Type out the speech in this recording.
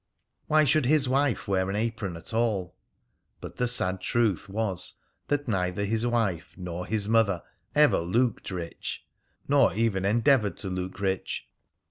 Why should his wife wear an apron at all? But the sad truth was that neither his wife nor his mother ever looked rich, nor even endeavoured to look rich.